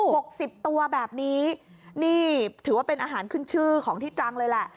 หกสิบตัวแบบนี้นี่ถือว่าเป็นอาหารขึ้นชื่อของที่ตรังเลยแหละ